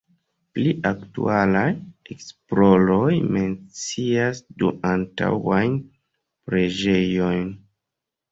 Pli aktualaj esploroj mencias du antaŭajn preĝejojn.